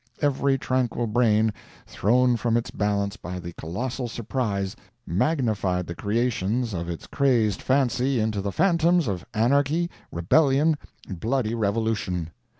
Every tranquil brain, thrown from its balance by the colossal surprise, magnified the creations of its crazed fancy into the phantoms of anarchy, rebellion, bloody revolution!